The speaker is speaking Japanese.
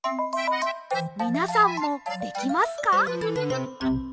みなさんもできますか？